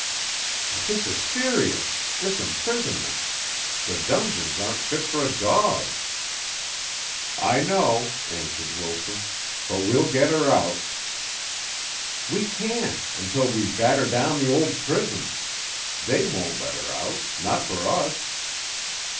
"But this is serious this imprisonment. The dungeons aren't fit for a dog." "I know," answered Wilson; "but we'll get her out." "We can't, until we batter down the old prison. They won't let her out not for us."